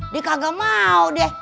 dia kagak mau deh